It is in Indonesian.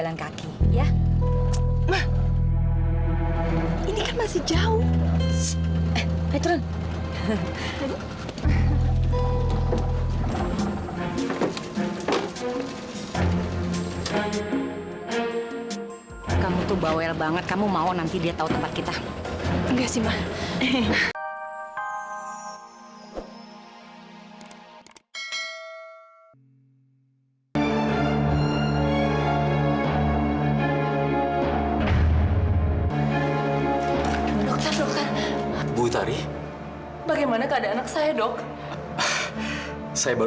sampai jumpa di video selanjutnya